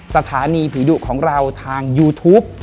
สถานีผีดุของเราทางยูทูป